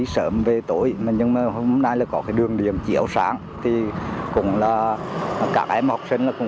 sẵn sàng chiếu sáng phục vụ bà con nhân dân